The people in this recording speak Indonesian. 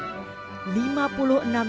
di dalam bawah laut perairan bangsri